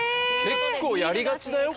結構やりがちだよ